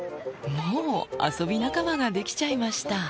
もう遊び仲間が出来ちゃいました。